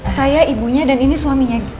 saya ibunya dan ini suaminya